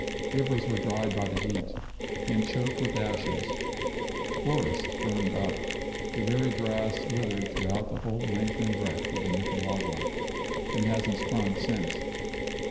Rivers were dried by the heat, and choked with ashes; forests burned up; the very grass withered throughout the whole length and breadth of Nicaragua, and hasn't sprung since.